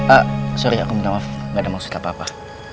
ah sorry aku minta maaf gak ada maksud apa apa